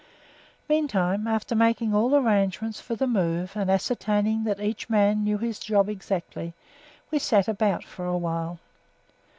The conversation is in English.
Meantime, after making all arrangements for the move and ascertaining that each man knew his job exactly, we sat about for a while.